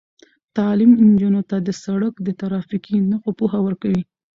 تعلیم نجونو ته د سړک د ترافیکي نښو پوهه ورکوي.